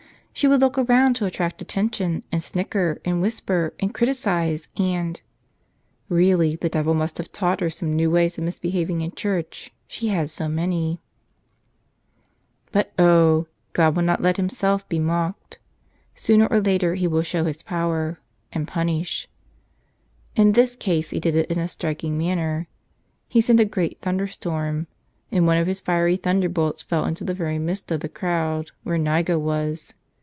She would look around to attract attention and snicker and whisper and criticize and — Really, the devil must have taught her some new ways of misbehaving in church ; she had so many. But oh ! God will not let Himself be mocked. Sooner 144 Serving 71 ass or later He will show His power — and punish. In this case He did it in a striking manner. He sent a great thunderstorm. And one of His fiery thunderbolts fell into the very midst of the crowd where Niga was.